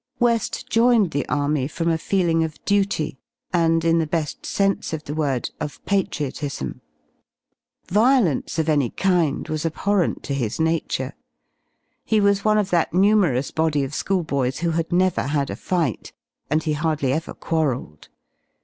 i Weft joined the Army from a feeling of duty and, in the beii I sense of the word, of patriotism. Fiolence of any kind was % abhorrent to his nature. He was one of that numerous body of schoolboys who had never had a fight, and he hardly ever quarrelled.